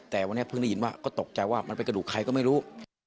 แต่วันนี้เพิ่งได้ยินว่าก็ตกใจว่ามันเป็นกระดูกใครก็ไม่รู้